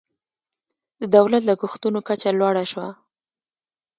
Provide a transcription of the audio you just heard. د دولت لګښتونو کچه لوړه شوه.